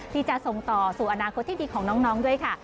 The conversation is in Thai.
ที่จะส่งต่อสู่อนาคตที่ดีของน้องด้วยค่ะ